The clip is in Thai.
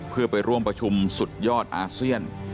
เพื่อไปร่วมประชุมสุดยอดอาเซียน